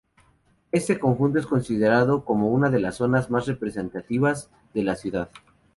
Este conjunto es considerado como una de las zonas más representativas de la ciudad.